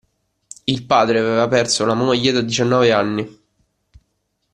Il padre aveva perso la moglie da diciannove anni.